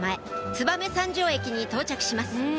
燕三条駅に到着します